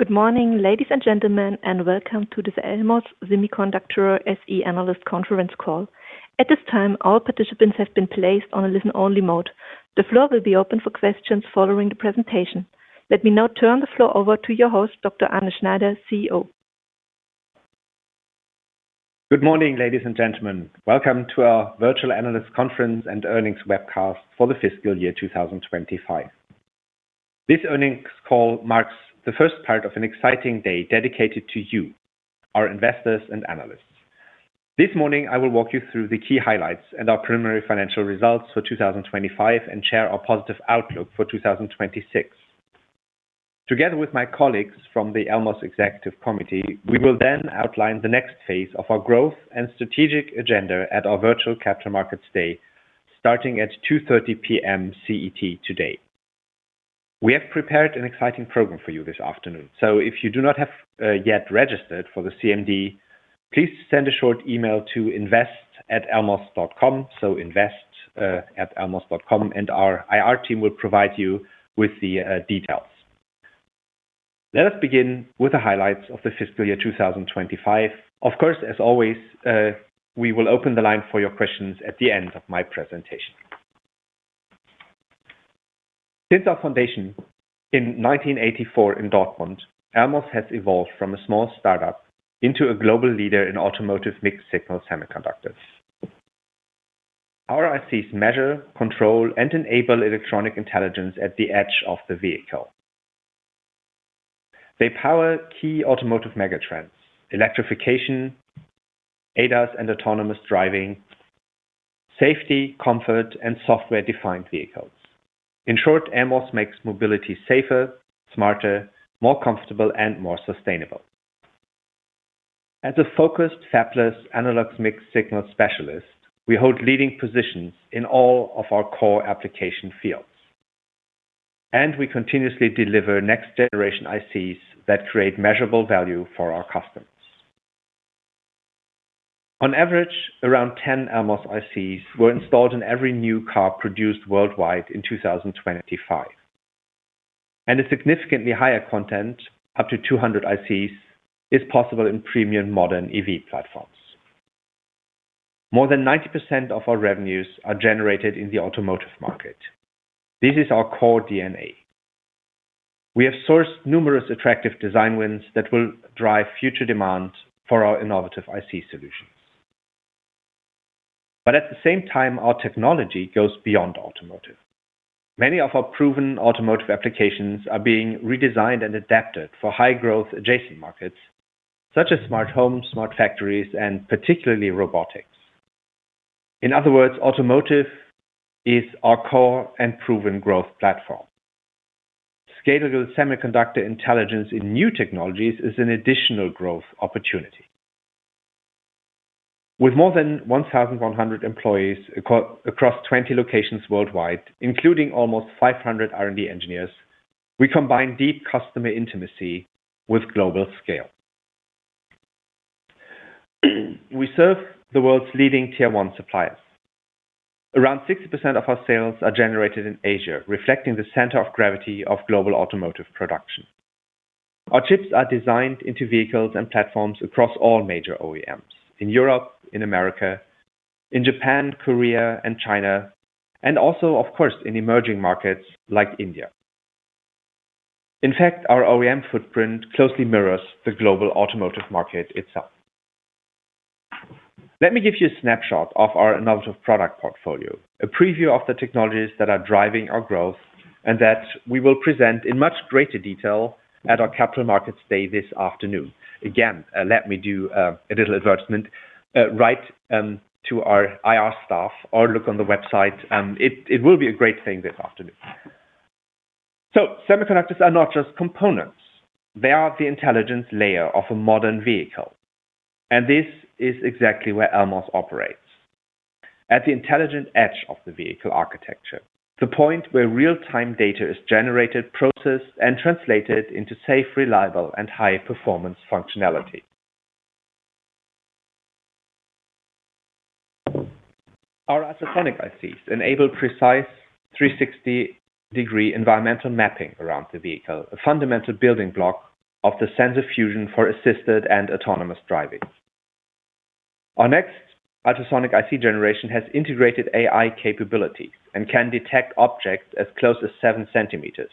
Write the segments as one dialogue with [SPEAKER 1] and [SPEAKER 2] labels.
[SPEAKER 1] Good morning, ladies and gentlemen, welcome to this Elmos Semiconductor SE Analyst Conference Call. At this time, all participants have been placed on a listen-only mode. The floor will be open for questions following the presentation. Let me now turn the floor over to your host, Dr. Arne Schneider, CEO.
[SPEAKER 2] Good morning, ladies and gentlemen. Welcome to our Virtual Analyst Conference and Earnings Webcast for the fiscal year 2025. This earnings call marks the first part of an exciting day dedicated to you, our investors and analysts. This morning, I will walk you through the key highlights and our preliminary financial results for 2025, and share our positive outlook for 2026. Together with my colleagues from the Elmos Executive Committee, we will then outline the next phase of our growth and strategic agenda at our virtual Capital Markets Day, starting at 2:30 P.M. CET today. We have prepared an exciting program for you this afternoon. If you do not have yet registered for the CMD, please send a short email to invest@elmos.com, and our IR team will provide you with the details. Let us begin with the highlights of the fiscal year 2025. As always, we will open the line for your questions at the end of my presentation. Since our foundation in 1984 in Dortmund, Elmos has evolved from a small startup into a global leader in automotive mixed-signal semiconductors. Our ICs measure, control, and enable electronic intelligence at the edge of the vehicle. They power key automotive megatrends, electrification, ADAS and autonomous driving, safety, comfort, and software-defined vehicles. In short, Elmos makes mobility safer, smarter, more comfortable, and more sustainable. As a focused fabless analog mixed-signal specialist, we hold leading positions in all of our core application fields, and we continuously deliver next-generation ICs that create measurable value for our customers. On average, around 10 Elmos ICs were installed in every new car produced worldwide in 2025, and a significantly higher content, up to 200 ICs, is possible in premium modern EV platforms. More than 90% of our revenues are generated in the automotive market. This is our core DNA. We have sourced numerous attractive design wins that will drive future demand for our innovative IC solutions. At the same time, our technology goes beyond automotive. Many of our proven automotive applications are being redesigned and adapted for high-growth adjacent markets, such as smart homes, smart factories, and particularly robotics. In other words, automotive is our core and proven growth platform. Scalable semiconductor intelligence in new technologies is an additional growth opportunity. With more than 1,100 employees across 20 locations worldwide, including almost 500 R&D engineers, we combine deep customer intimacy with global scale. We serve the world's leading Tier One suppliers. Around 60% of our sales are generated in Asia, reflecting the center of gravity of global automotive production. Our chips are designed into vehicles and platforms across all major OEMs: in Europe, in America, in Japan, Korea, and China, and also, of course, in emerging markets like India. In fact, our OEM footprint closely mirrors the global automotive market itself. Let me give you a snapshot of our innovative product portfolio, a preview of the technologies that are driving our growth, and that we will present in much greater detail at our Capital Markets Day this afternoon. Let me do a little advertisement, write to our IR staff or look on the website, it will be a great thing this afternoon. Semiconductors are not just components, they are the intelligence layer of a modern vehicle, this is exactly where Elmos operates. At the intelligent edge of the vehicle architecture, the point where real-time data is generated, processed, and translated into safe, reliable, and high-performance functionality. Our ultrasonic ICs enable precise 360-degree environmental mapping around the vehicle, a fundamental building block of the sensor fusion for assisted and autonomous driving. Our next ultrasonic IC generation has integrated AI capability and can detect objects as close as 7 centimeters,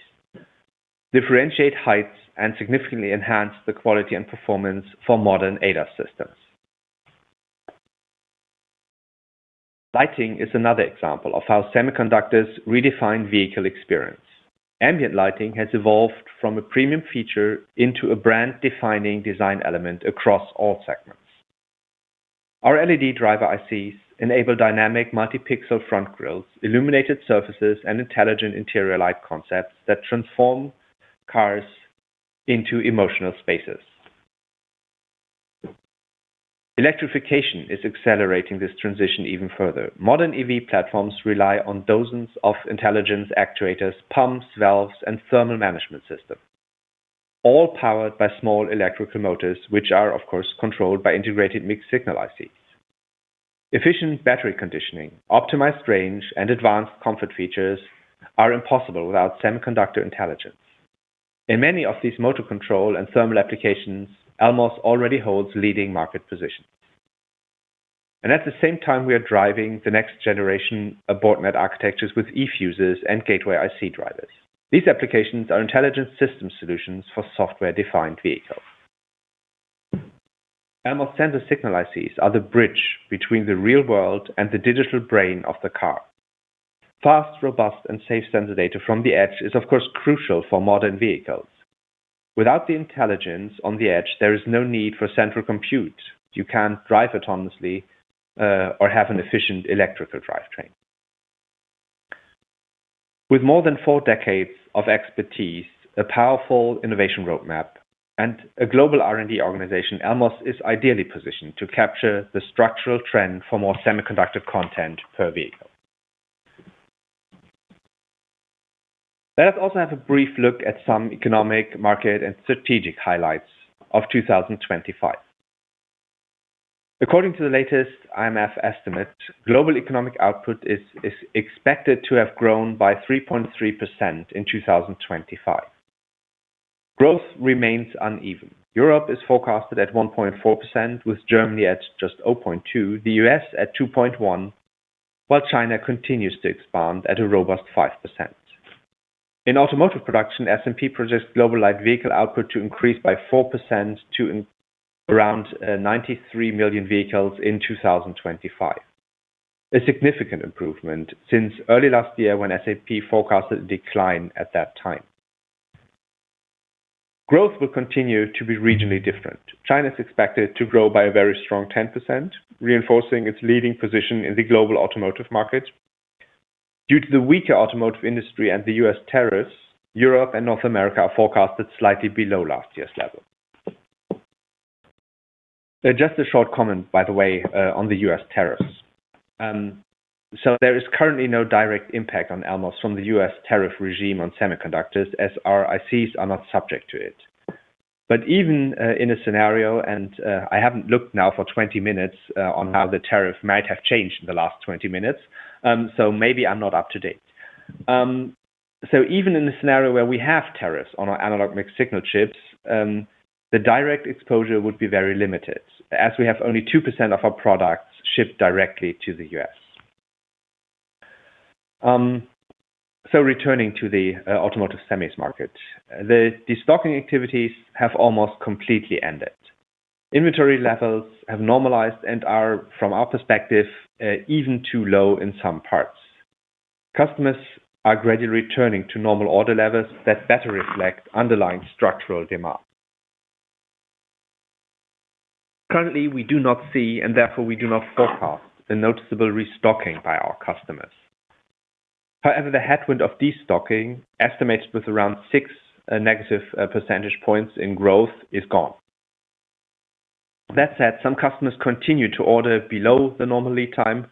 [SPEAKER 2] differentiate heights, and significantly enhance the quality and performance for modern ADAS systems. Lighting is another example of how semiconductors redefine vehicle experience. Ambient lighting has evolved from a premium feature into a brand-defining design element across all segments. Our LED driver ICs enable dynamic multi-pixel front grilles, illuminated surfaces, and intelligent interior light concepts that transform cars into emotional spaces. Electrification is accelerating this transition even further. Modern EV platforms rely on dozens of intelligence actuators, pumps, valves, and thermal management systems, all powered by small electrical motors, which are, of course, controlled by integrated mixed-signal ICs. Efficient battery conditioning, optimized range, and advanced comfort features are impossible without semiconductor intelligence. In many of these motor control and thermal applications, Elmos already holds leading market positions. At the same time, we are driving the next generation of bordnet architectures with eFuses and Gateway IC drivers. These applications are intelligent system solutions for software-defined vehicles. Elmos sensor signal ICs are the bridge between the real world and the digital brain of the car. Fast, robust, and safe sensor data from the edge is, of course, crucial for modern vehicles. Without the intelligence on the edge, there is no need for central compute. You can't drive autonomously or have an efficient electrical drivetrain. With more than four decades of expertise, a powerful innovation roadmap, and a global R&D organization, Elmos is ideally positioned to capture the structural trend for more semiconductor content per vehicle. Let us also have a brief look at some economic, market, and strategic highlights of 2025. According to the latest IMF estimate, global economic output is expected to have grown by 3.3% in 2025. Growth remains uneven. Europe is forecasted at 1.4%, with Germany at just 0.2%, the U.S. at 2.1%, while China continues to expand at a robust 5%. In automotive production, S&P projects global light vehicle output to increase by 4% to around 93 million vehicles in 2025. A significant improvement since early last year when S&P forecasted a decline at that time. Growth will continue to be regionally different. China is expected to grow by a very strong 10%, reinforcing its leading position in the global automotive market. Due to the weaker automotive industry and the U.S. tariffs, Europe and North America are forecasted slightly below last year's level. Just a short comment, by the way, on the U.S. tariffs. There is currently no direct impact on Elmos from the U.S. tariff regime on semiconductors, as our ICs are not subject to it. Even in a scenario, I haven't looked now for 20 minutes on how the tariff might have changed in the last 20 minutes, maybe I'm not up to date. Even in the scenario where we have tariffs on our analog mixed signal chips, the direct exposure would be very limited, as we have only 2% of our products shipped directly to the U.S. Returning to the automotive semis market, the destocking activities have almost completely ended. Inventory levels have normalized and are, from our perspective, even too low in some parts. Customers are gradually returning to normal order levels that better reflect underlying structural demand. Currently, we do not see, and therefore we do not forecast, a noticeable restocking by our customers. The headwind of destocking, estimates with around -6 percentage points in growth, is gone. That said, some customers continue to order below the normal lead time,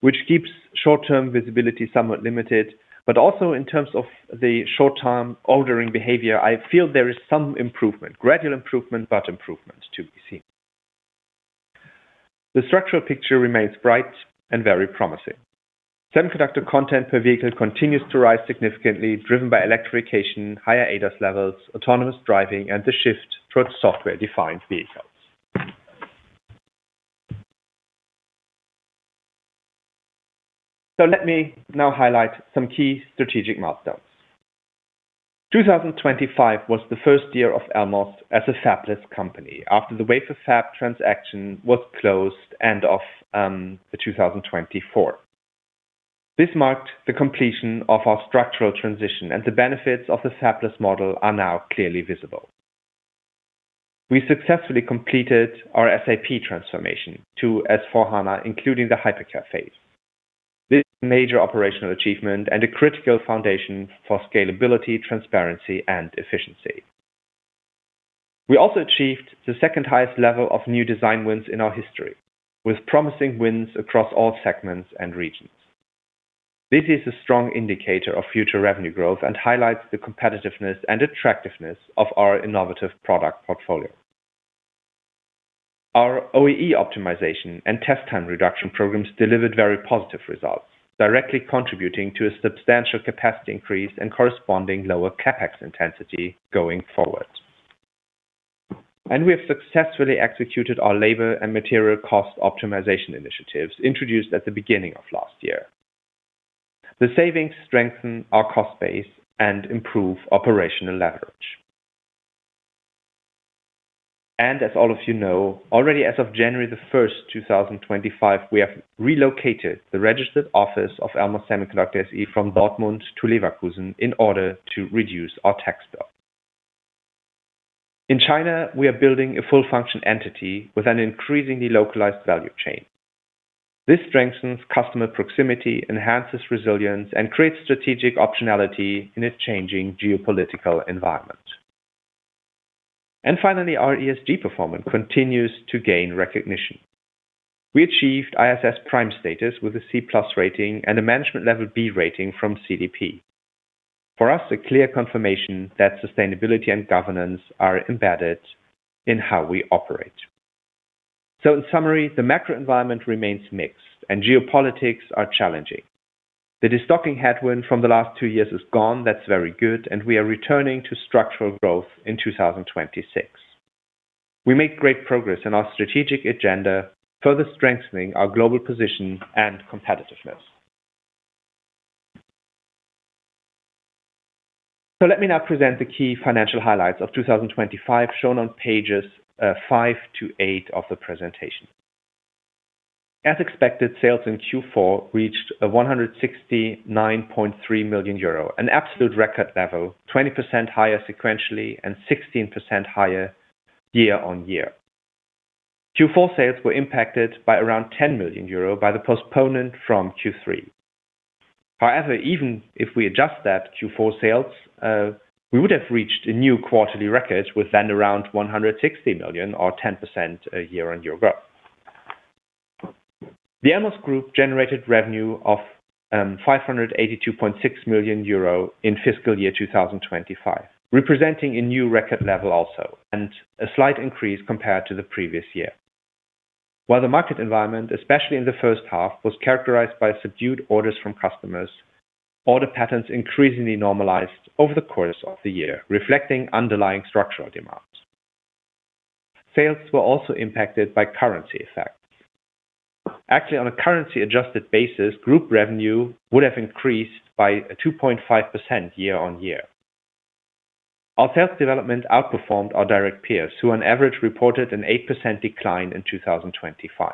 [SPEAKER 2] which keeps short-term visibility somewhat limited, but also in terms of the short-term ordering behavior, I feel there is some improvement, gradual improvement, but improvement to be seen. The structural picture remains bright and very promising. Semiconductor content per vehicle continues to rise significantly, driven by electrification, higher ADAS levels, autonomous driving, and the shift towards software-defined vehicles. Let me now highlight some key strategic milestones. 2025 was the first year of Elmos as a fabless company after the wafer fab transaction was closed end of 2024. This marked the completion of our structural transition, and the benefits of the fabless model are now clearly visible. We successfully completed our SAP transformation to S/4HANA, including the Hypercare phase. This major operational achievement and a critical foundation for scalability, transparency, and efficiency. We also achieved the second-highest level of new design wins in our history, with promising wins across all segments and regions. This is a strong indicator of future revenue growth and highlights the competitiveness and attractiveness of our innovative product portfolio. Our OEE optimization and test time reduction programs delivered very positive results, directly contributing to a substantial capacity increase and corresponding lower CapEx intensity going forward. We have successfully executed our labor and material cost optimization initiatives introduced at the beginning of last year. The savings strengthen our cost base and improve operational leverage. As all of you know, already as of January 1st, 2025, we have relocated the registered office of Elmos Semiconductor SE from Dortmund to Leverkusen in order to reduce our tax bill. In China, we are building a full-function entity with an increasingly localized value chain. This strengthens customer proximity, enhances resilience, and creates strategic optionality in a changing geopolitical environment. Finally, our ESG performance continues to gain recognition. We achieved ISS Prime status with a C+ rating and a management level B rating from CDP. For us, a clear confirmation that sustainability and governance are embedded in how we operate. In summary, the macro environment remains mixed and geopolitics are challenging. The destocking headwind from the last two years is gone. That's very good, and we are returning to structural growth in 2026. We make great progress in our strategic agenda, further strengthening our global position and competitiveness. Let me now present the key financial highlights of 2025, shown on pages five-eight of the presentation. As expected, sales in Q4 reached 169.3 million euro, an absolute record level, 20% higher sequentially and 16% higher year-on-year. Q4 sales were impacted by around 10 million euro by the postponement from Q3. Even if we adjust that Q4 sales, we would have reached a new quarterly record with then around 160 million or 10% year-on-year growth. The Elmos Group generated revenue of 582.6 million euro in fiscal year 2025, representing a new record level also, a slight increase compared to the previous year. While the market environment, especially in the first half, was characterized by subdued orders from customers, order patterns increasingly normalized over the course of the year, reflecting underlying structural demands. Sales were also impacted by currency effects. Actually, on a currency-adjusted basis, group revenue would have increased by a 2.5% year-over-year. Our sales development outperformed our direct peers, who on average, reported an 8% decline in 2025.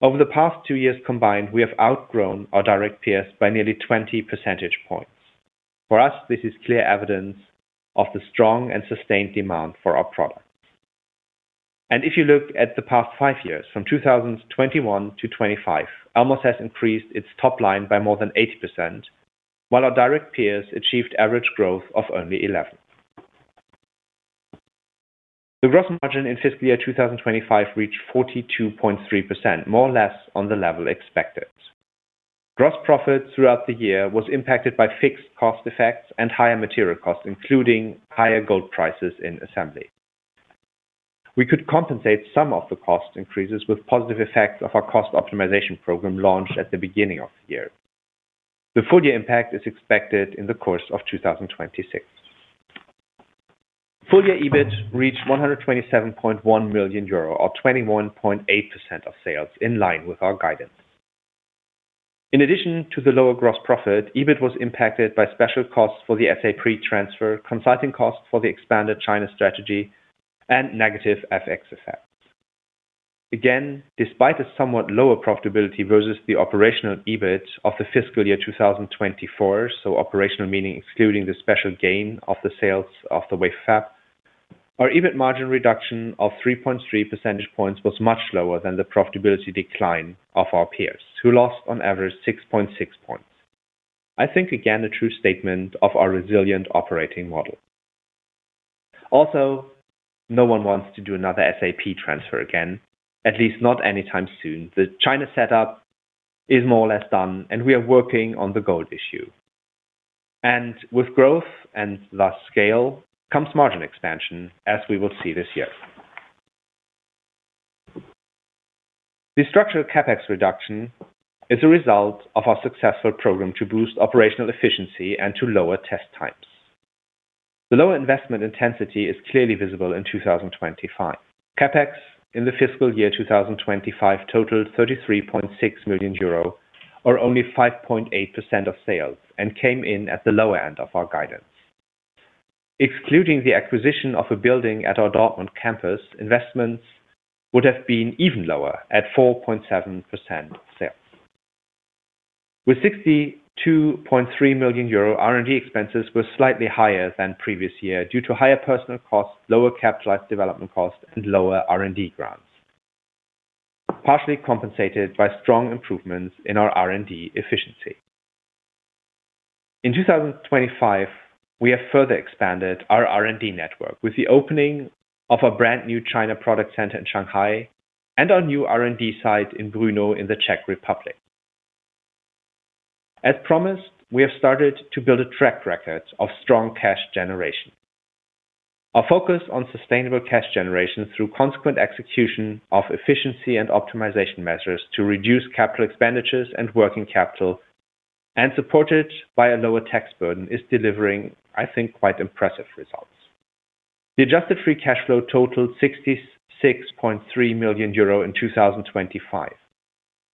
[SPEAKER 2] Over the past two years combined, we have outgrown our direct peers by nearly 20 percentage points. For us, this is clear evidence of the strong and sustained demand for our product. If you look at the past five years, from 2021-2025, Elmos has increased its top line by more than 80%, while our direct peers achieved average growth of only 11. The gross margin in fiscal year 2025 reached 42.3%, more or less on the level expected. Gross profit throughout the year was impacted by fixed cost effects and higher material costs, including higher gold prices in assembly. We could compensate some of the cost increases with positive effects of our cost optimization program launched at the beginning of the year. The full year impact is expected in the course of 2026. Full year EBIT reached 127.1 million euro, or 21.8% of sales in line with our guidance. In addition to the lower gross profit, EBIT was impacted by special costs for the SAP transfer, consulting costs for the expanded China strategy, and negative FX effects. Again, despite a somewhat lower profitability versus the operational EBIT of the fiscal year 2024, so operational meaning excluding the special gain of the sales of the wafer fab, our EBIT margin reduction of 3.3 percentage points was much lower than the profitability decline of our peers, who lost on average 6.6 points. I think, again, a true statement of our resilient operating model. No one wants to do another SAP transfer again, at least not anytime soon. The China setup is more or less done, and we are working on the gold issue. With growth, and thus scale, comes margin expansion, as we will see this year. The structural CapEx reduction is a result of our successful program to boost operational efficiency and to lower test times. The lower investment intensity is clearly visible in 2025. CapEx in the fiscal year 2025 totaled 33.6 million euro, or only 5.8% of sales, came in at the lower end of our guidance. Excluding the acquisition of a building at our Dortmund campus, investments would have been even lower at 4.7% of sales. With 62.3 million euro, R&D expenses were slightly higher than previous year due to higher personal costs, lower capitalized development costs, and lower R&D grants, partially compensated by strong improvements in our R&D efficiency. In 2025, we have further expanded our R&D network with the opening of a brand new China product center in Shanghai and our new R&D site in Brno in the Czech Republic. As promised, we have started to build a track record of strong cash generation. Our focus on sustainable cash generation through consequent execution of efficiency and optimization measures to reduce capital expenditures and working capital, and supported by a lower tax burden, is delivering, I think, quite impressive results. The adjusted free cash flow totaled 66.3 million euro in 2025.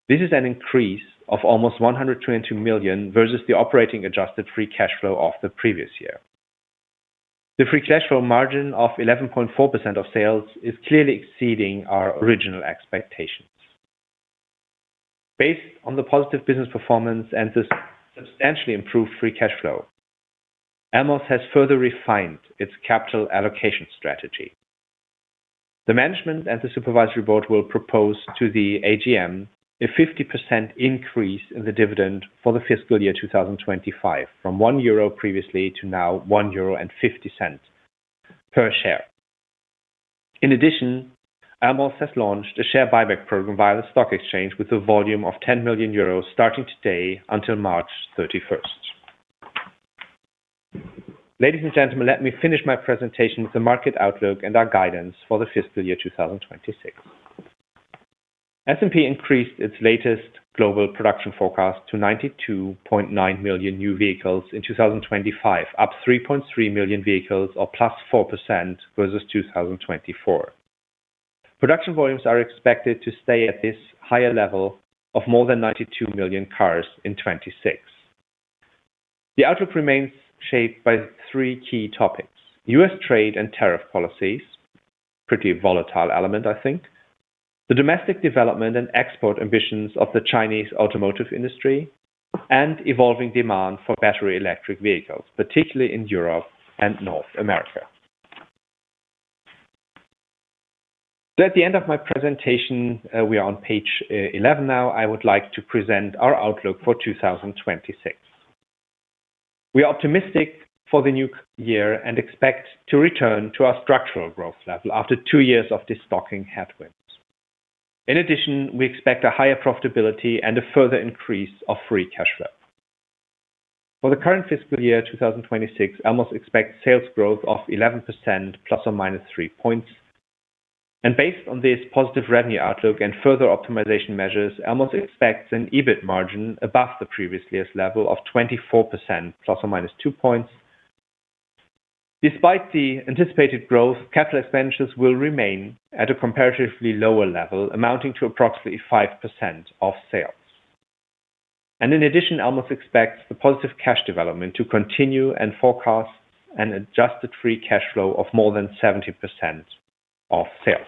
[SPEAKER 2] This is an increase of almost 122 million versus the operating adjusted free cash flow of the previous year. The free cash flow margin of 11.4% of sales is clearly exceeding our original expectations. Based on the positive business performance and the substantially improved free cash flow, Elmos has further refined its capital allocation strategy. The management and the supervisory board will propose to the AGM a 50% increase in the dividend for the fiscal year 2025, from 1 euro previously to now 1.50 euro per share. In addition, Elmos has launched a share buyback program via the stock exchange with a volume of 10 million euros, starting today until March 31st. Ladies and gentlemen, let me finish my presentation with the market outlook and our guidance for the fiscal year 2026. S&P increased its latest global production forecast to 92.9 million new vehicles in 2025, up 3.3 million vehicles, or +4%, versus 2024. Production volumes are expected to stay at this higher level of more than 92 million cars in 2026. The outlook remains shaped by three key topics: U.S. trade and tariff policies, pretty volatile element, I think. The domestic development and export ambitions of the Chinese automotive industry, and evolving demand for battery electric vehicles, particularly in Europe and North America. At the end of my presentation, we are on page 11 now. I would like to present our outlook for 2026. We are optimistic for the new year and expect to return to our structural growth level after two years of destocking headwinds. In addition, we expect a higher profitability and a further increase of free cash flow. For the current fiscal year, 2026, Elmos expects sales growth of 11% ±3 points. Based on this positive revenue outlook and further optimization measures, Elmos expects an EBIT margin above the previous year's level of 24% ±2 points. Despite the anticipated growth, capital expenditures will remain at a comparatively lower level, amounting to approximately 5% of sales. In addition, Elmos expects the positive cash development to continue and forecast an adjusted free cash flow of more than 70% of sales.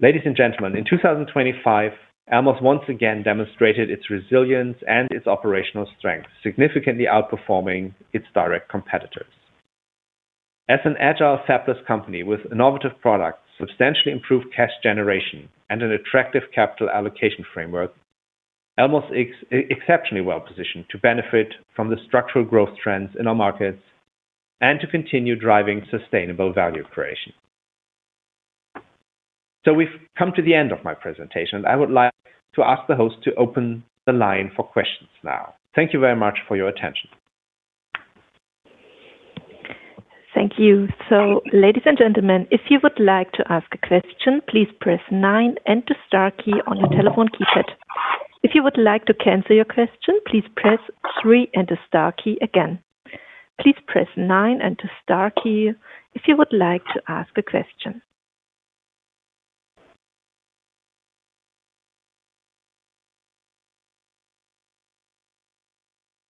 [SPEAKER 2] Ladies and gentlemen, in 2025, Elmos once again demonstrated its resilience and its operational strength, significantly outperforming its direct competitors. As an agile, fabless company with innovative products, substantially improved cash generation, and an attractive capital allocation framework, Elmos is exceptionally well positioned to benefit from the structural growth trends in our markets and to continue driving sustainable value creation. We've come to the end of my presentation. I would like to ask the host to open the line for questions now. Thank you very much for your attention.
[SPEAKER 1] Thank you. Ladies and gentlemen, if you would like to ask a question, please press nine and the star key on your telephone keypad. If you would like to cancel your question, please press three and the star key again. Please press nine and the star key if you would like to ask a question.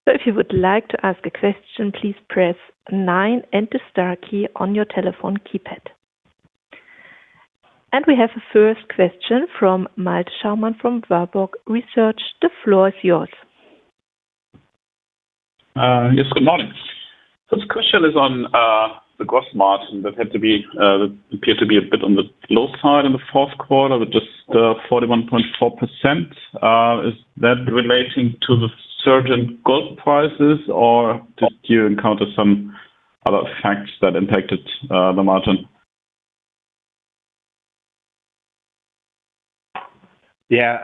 [SPEAKER 1] If you would like to ask a question, please press nine and the star key on your telephone keypad. We have a first question from Malte Schaumann, from Warburg Research. The floor is yours.
[SPEAKER 3] Yes, good morning. This question is on the gross margin that had to be, that appeared to be a bit on the low side in the fourth quarter with just 41.4%. Is that relating to the surge in gold prices, or did you encounter some other facts that impacted the margin?
[SPEAKER 2] Yeah,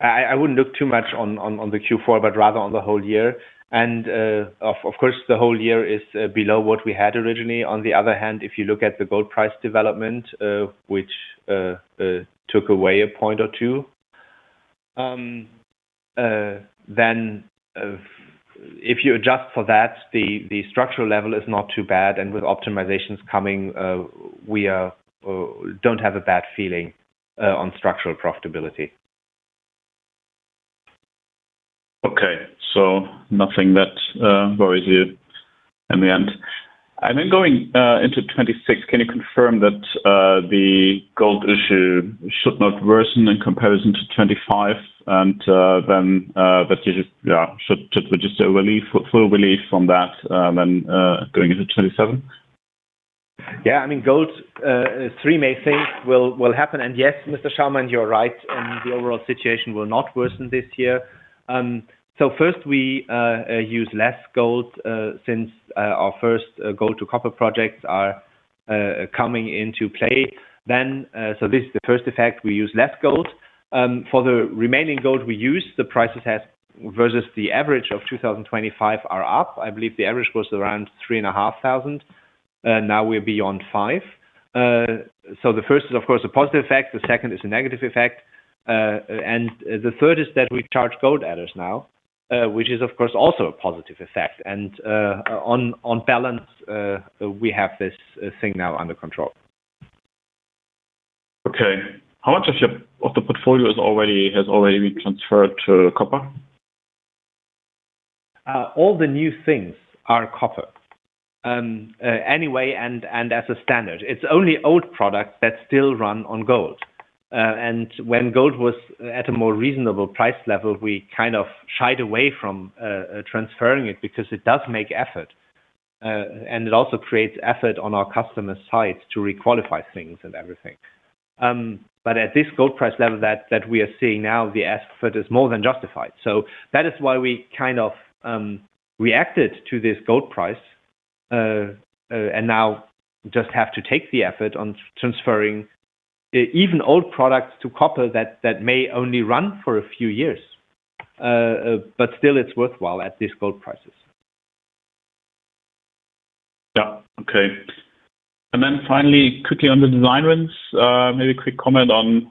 [SPEAKER 2] I wouldn't look too much on the Q4, but rather on the whole year. Of course, the whole year is below what we had originally. On the other hand, if you look at the gold price development, which took away a point or two, then if you adjust for that, the structural level is not too bad, and with optimizations coming, we don't have a bad feeling on structural profitability.
[SPEAKER 3] Nothing that worries you in the end. Then going into 2026, can you confirm that the gold issue should not worsen in comparison to 2025, and then but you just should we just a relief, full relief from that, and going into 2027?
[SPEAKER 2] Yeah. I mean, gold, three main things will happen. Yes, Mr. Schaumann, you're right, the overall situation will not worsen this year. First we use less gold, since our first gold to copper projects are coming into play then. This is the first effect, we use less gold. For the remaining gold we use, the prices has, versus the average of 2025 are up. I believe the average was around 3,500, now we're beyond 5,000. The first is, of course, a positive effect, the second is a negative effect, and the third is that we charge gold adders now, which is, of course, also a positive effect. On balance, we have this thing now under control.
[SPEAKER 3] Okay. How much of the portfolio has already been transferred to copper?
[SPEAKER 2] All the new things are copper. Anyway, as a standard, it's only old products that still run on gold. When gold was at a more reasonable price level, we kind of shied away from transferring it because it does make effort, and it also creates effort on our customer's side to requalify things and everything. At this gold price level that we are seeing now, the effort is more than justified. That is why we kind of reacted to this gold price. Now just have to take the effort on transferring even old products to copper that may only run for a few years. Still it's worthwhile at this gold prices.
[SPEAKER 3] Yeah. Okay. Finally, quickly on the design wins, maybe a quick comment on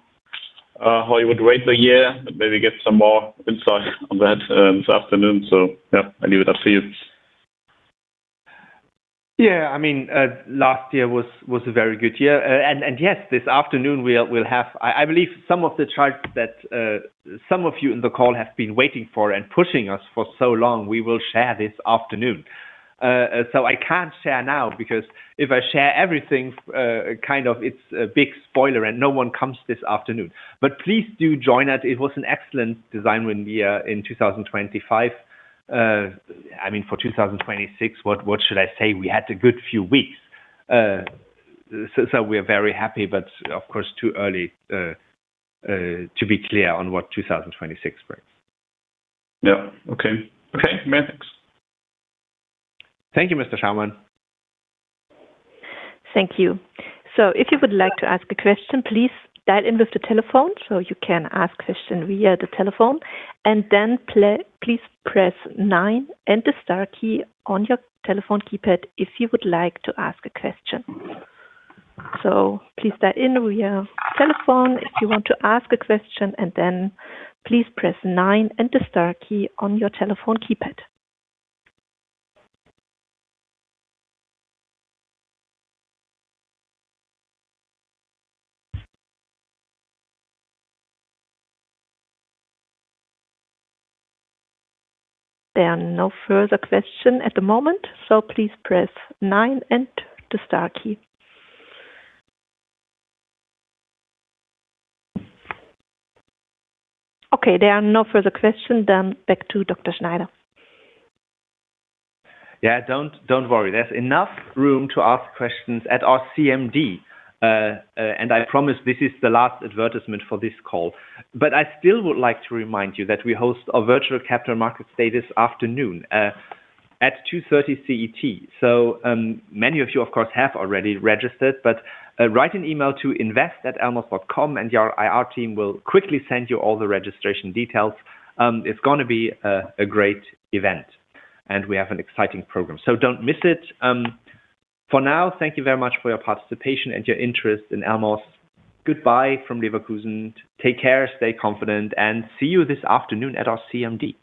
[SPEAKER 3] how you would rate the year, and maybe get some more insight on that, this afternoon. Yeah, I leave it up to you.
[SPEAKER 2] I mean, last year was a very good year. Yes, this afternoon we'll have I believe some of the charts that some of you in the call have been waiting for and pushing us for so long, we will share this afternoon. I can't share now, because if I share everything, kind of it's a big spoiler and no one comes this afternoon. Please do join us. It was an excellent design win year in 2025. I mean, for 2026, what should I say? We had a good few weeks. We are very happy, but of course, too early to be clear on what 2026 brings.
[SPEAKER 3] Yeah. Okay. Okay, many thanks.
[SPEAKER 2] Thank you, Mr. Schaumann.
[SPEAKER 1] Thank you. If you would like to ask a question, please dial in with the telephone, so you can ask question via the telephone, and then please press nineand the star key on your telephone keypad if you would like to ask a question. Please dial in via telephone if you want to ask a question, and then please press nine and the star key on your telephone keypad. There are no further question at the moment, please press nine and the star key. There are no further question, back to Dr. Schneider.
[SPEAKER 2] Yeah, don't worry. There's enough room to ask questions at our CMD, and I promise this is the last advertisement for this call. I still would like to remind you that we host a virtual Capital Markets Day this afternoon at 2:30 CET. Many of you, of course, have already registered, but write an email to invest@elmos.com, and our IR team will quickly send you all the registration details. It's gonna be a great event, and we have an exciting program, so don't miss it. For now, thank you very much for your participation and your interest in Elmos. Goodbye from Leverkusen. Take care, stay confident, and see you this afternoon at our CMD.